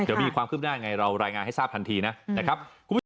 จะมีความคืบหน้าอย่างไรเรารายงานให้ทราบทันทีนะนะครับ